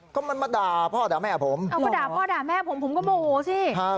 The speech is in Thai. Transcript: ก็มันมาด่าพ่อด่าแม่ผมเอาก็ด่าพ่อด่าแม่ผมผมก็โมโหสิครับ